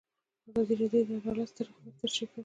ازادي راډیو د عدالت ستر اهميت تشریح کړی.